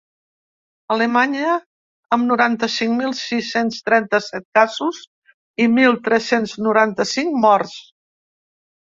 Alemanya, amb noranta-cinc mil sis-cents trenta-set casos i mil tres-cents noranta-cinc morts.